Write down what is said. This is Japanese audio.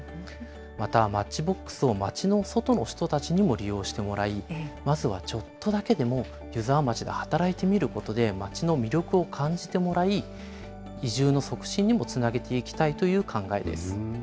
また、マッチボックスを町の外の人たちにも利用してもらい、まずはちょっとだけでも湯沢町で働いてみることで、町の魅力を感じてもらい、移住の促進にもつなげていきたいという考えです。